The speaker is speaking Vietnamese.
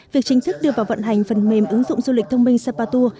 việc chính thức đưa vào vận hành phần mềm ứng dụng du lịch thông minh sapa tour